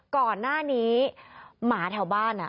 ก่อนหน้านี้หมาแถวบ้าน